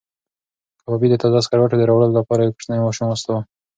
کبابي د تازه سکروټو د راوړلو لپاره یو کوچنی ماشوم واستاوه.